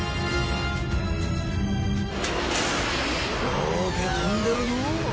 よぉけ飛んでるのう。